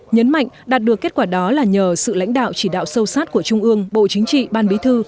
nhấn mạnh đạt được kết quả đó là nhờ sự lãnh đạo chỉ đạo sâu sát của trung ương bộ chính trị ban bí thư